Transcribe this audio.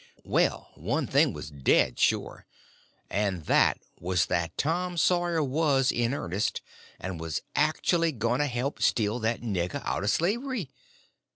Well, one thing was dead sure, and that was that Tom Sawyer was in earnest, and was actuly going to help steal that nigger out of slavery.